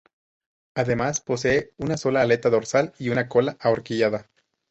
Además, poseen una sola aleta dorsal y una cola ahorquillada.